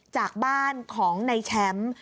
จากบ้านของนายแชมป์